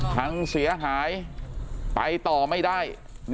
พังเสียหายไปต่อไม่ได้